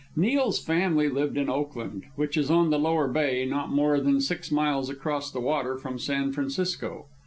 Neil's family lived in Oakland, which is on the Lower Bay, not more than six miles across the water from San Francisco.